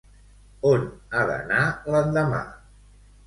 On ha d'anar l'endemà?